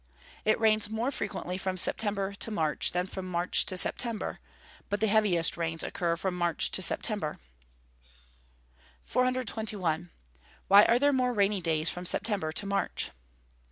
_ It rains more frequently from September to March, than from March to September; but the heaviest rains occur from March to September. 421. _Why are there more rainy days from September to March?